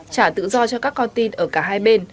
trả tự do cho các con tin ở cả hai bên